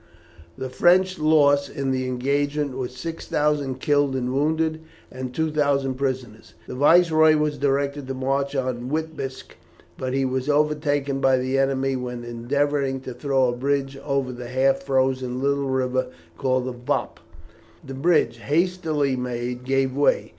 The French loss in the engagement was 6000 killed and wounded, and 2000 prisoners. The Viceroy was directed to march on Witebsk, but he was overtaken by the enemy when endeavouring to throw a bridge over the half frozen little river called the Vop. The bridge, hastily made, gave way.